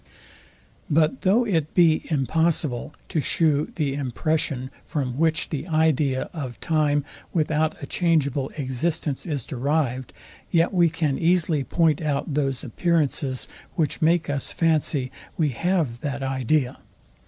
But though it be impossible to shew the impression, from which the idea of time without a changeable existence is derived; yet we can easily point out those appearances, which make us fancy we have that idea.